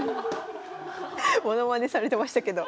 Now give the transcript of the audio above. ものまねされてましたけど。